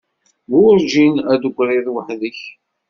Werǧin ad d-tegriḍ weḥd-k.